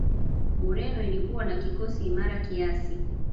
ureno ilikuwa na kikosi imara kiasi